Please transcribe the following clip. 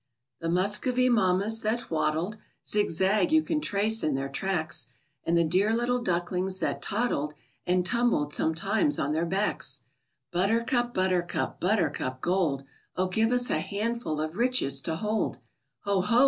The Muscovy mammas that waddled Zigzag, you can trace in their tracks, And the dear little ducklings that toddled And tumbled sometimes on their backs! Buttercup, buttercup, buttercup gold, O give us a handful of riches to hold! Ho, ho!